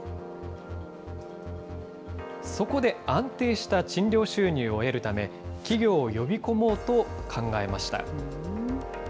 そこで安定した賃料収入を得るため、企業を呼び込もうと考えました。